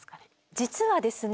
実はですね